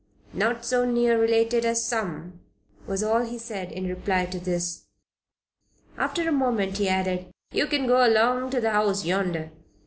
"Not so near related as some," was all he said in reply to this. After a moment, he added: "You can go along to the house yonder.